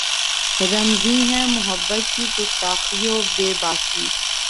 رمزیں ہیں محبت کی گستاخی و بیباکی